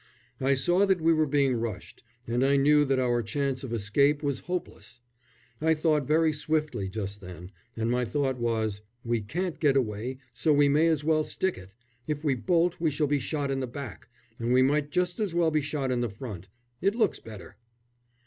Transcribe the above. I saw that we were being rushed, and I knew that our chance of escape was hopeless. I thought very swiftly just then, and my thought was, "We can't get away, so we may as well stick it. If we bolt we shall be shot in the back and we might just as well be shot in the front; it looks better."